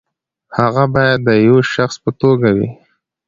هغه باید د یوه شخص په توګه وي.